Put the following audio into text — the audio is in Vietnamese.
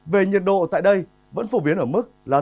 về nhiệt độ tại đây vẫn phổ biến ở mức là